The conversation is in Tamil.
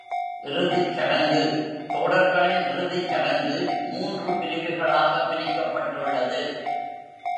இறுதிச் சடங்கு தோடர்களின் இறுதிச் சடங்கு மூன்று பிரிவுகளாகப் பிரிக்கப்பட்டுள்ளது.